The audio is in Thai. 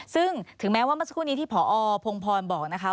ซึ่งถึงแม้ว่าเมื่อสักครู่นี้ที่พอพงพรบอกนะคะ